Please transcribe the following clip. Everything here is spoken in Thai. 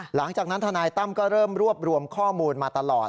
หลังจากนั้นทนายตั้มก็เริ่มรวบรวมข้อมูลมาตลอด